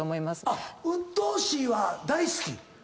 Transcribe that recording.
「うっとうしい」は大好き⁉